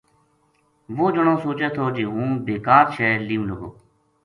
وہ جنو سوچے تھو جی ہوں بے کار شے لیوں لگو